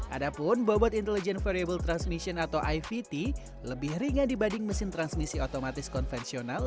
adapun bobot intelligent variable transmission atau ivt lebih ringan dibanding mesin transmisi otomatis konvensional